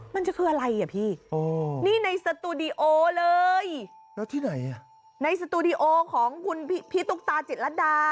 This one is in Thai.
มันจะคืออะไรอ่ะพี่นี่ในสตูดิโอเลยแล้วที่ไหนอ่ะในสตูดิโอของคุณพี่ตุ๊กตาจิตรดา